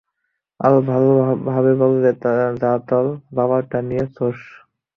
আরো ভালোভাবে বললে, যা তোর বাবারটা গিয়ে চোষ।